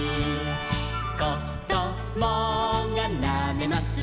「こどもがなめます